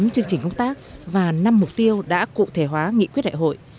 bốn chương trình công tác và năm mục tiêu đã cụ thể hóa nghị quyết đại hội